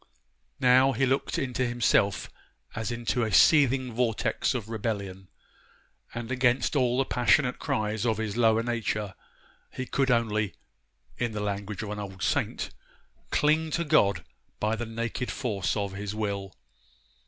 Now, he looked into himself as into a seething vortex of rebellion; and against all the passionate cries of his lower nature, he could only (in the language of an old saint) 'cling to God by the naked force of his will.